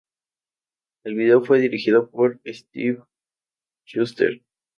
El video fue dirigido por Stephen Schuster.